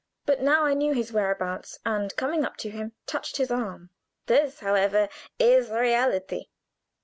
But now I knew his whereabouts, and coming up to him, touched his arm. "This, however, is reality!"